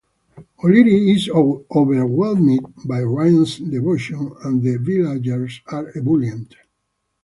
O'Leary is overwhelmed by Ryan's devotion, and the villagers are ebullient.